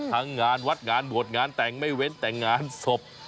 งานวัดงานบวชงานแต่งไม่เว้นแต่งานศพ